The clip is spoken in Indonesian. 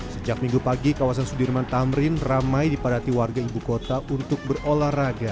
sejak minggu pagi kawasan sudirman tamrin ramai dipadati warga ibu kota untuk berolahraga